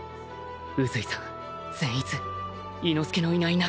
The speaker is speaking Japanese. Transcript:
宇髄さん善逸伊之助のいない中